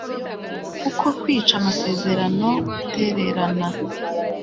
kuko kwica amasezerano, gutererana